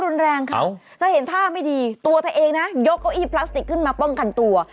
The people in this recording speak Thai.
น่ะยกเข้าอี้พลาสติกขึ้นมาป้องกันตัว